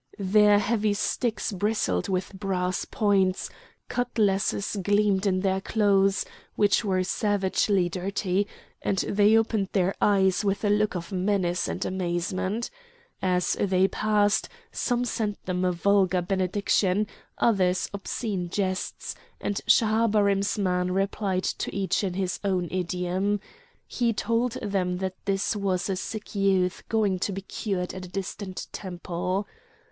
Their heavy sticks bristled with brass points; cutlasses gleamed in their clothes, which were savagely dirty, and they opened their eyes with a look of menace and amazement. As they passed some sent them a vulgar benediction; others obscene jests, and Schahabarim's man replied to each in his own idiom. He told them that this was a sick youth going to be cured at a distant temple.